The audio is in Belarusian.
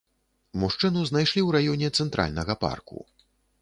Мужчыну знайшлі ў раёне цэнтральнага парку.